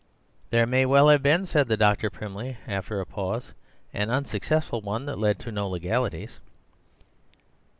"There may well have been," said the doctor primly, after a pause, "an unsuccessful one that led to no legalities."